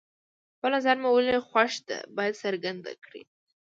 خپل نظر مو ولې خوښه ده باید څرګند کړئ.